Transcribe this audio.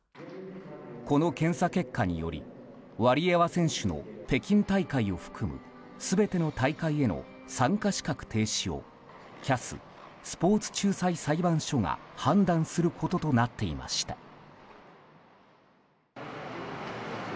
この検査結果によりワリエワ選手の北京大会を含む全ての大会への参加資格停止をＣＡＳ・スポーツ仲裁裁判所が判断することとなっていました。